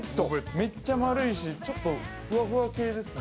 めっちゃ丸いし、ちょっとふわふわ系ですね。